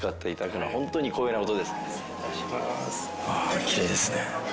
ああきれいですね。